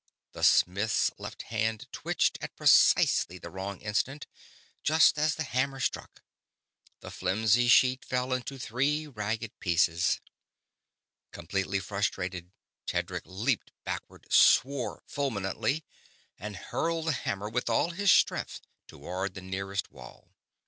The smith's left hand twitched at precisely the wrong instant, just as the hammer struck. The flimsy sheet fell into three ragged pieces. Completely frustrated, Tedric leaped backward, swore fulminantly, and hurled the hammer with all his strength toward the nearest wall.